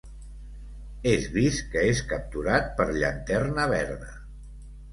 És vist que és capturat per Llanterna Verda.